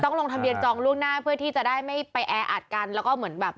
ลงทะเบียนจองล่วงหน้าเพื่อที่จะได้ไม่ไปแออัดกันแล้วก็เหมือนแบบ